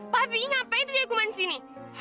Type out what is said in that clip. papi ngapain tujuan ikuman disini